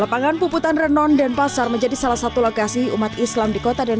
lapangan puputan renon dan pasar menjadi salah satu lokasi umat islam di kota dan